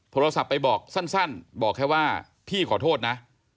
โทรศัพท์ไปบอกสั้นบอกแค่ว่าพี่ขอโทษนะ